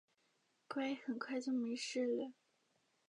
乖，很快就没事了